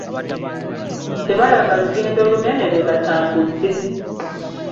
Tebalaba lugendo lunene lwe batambudde.